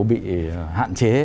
bị hạn chế